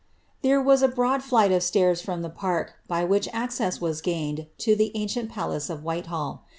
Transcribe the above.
' There was a broad flight of stairs' from the park, by which aeceM u as gained to the ancient palace of Whitehall.